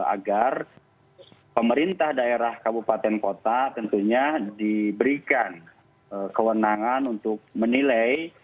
agar pemerintah daerah kabupaten kota tentunya diberikan kewenangan untuk menilai